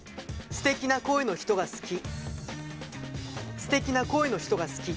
「すてきな声の人が好き」。